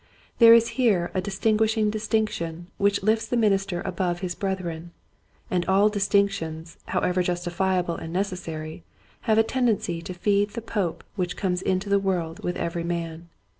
There is here a distinguishing distinction which lifts the minister above his brethren ; and all distinctions, however justifiable and necessary, have a tendency to feed the pope which comes into the world with every man.